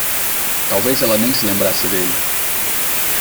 Talvez ela nem se lembrasse dele.